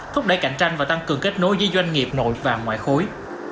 thúc đẩy cạnh tranh và tăng cường kết nối với doanh nghiệp nội và ngoại khối